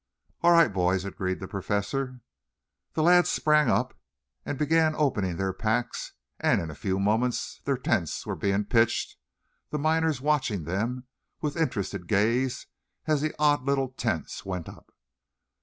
"All right, boys," agreed the Professor. The lads sprang up and began opening their packs, and in a few moments their tents were being pitched, the miners watching them with interested gaze as the odd little tents went up.